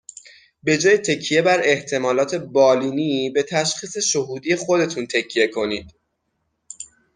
به جای تکیه بر احتمالات بالینی به تشخیص شهودی خودتون تکیه کنید!